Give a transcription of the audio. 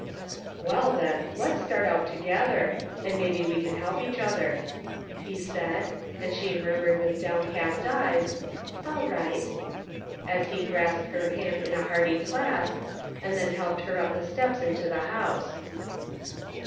" Well, then, let's start out together, and mebbe we can help each other," he said, and she murmured with downcast eyes, "All right," as he grasped her hand in a hearty clasp, and then helped her up the steps into the house.